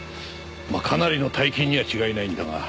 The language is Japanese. まあかなりの大金には違いないんだが。